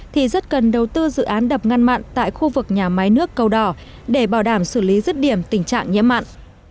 thì rất cần đầu tư dự án đập ngăn mặn tại khu vực nhà máy nước cầu đỏ để bảo đảm xử lý rứt điểm tình trạng nhiễm mặn